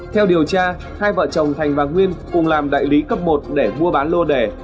theo điều tra hai vợ chồng thành và nguyên cùng làm đại lý cấp một để mua bán lô đẻ